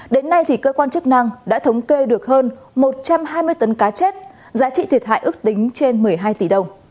đến nay cơ quan chức năng đã thống kê được hơn một trăm hai mươi tấn cá chết giá trị thiệt hại ước tính trên một mươi hai tỷ đồng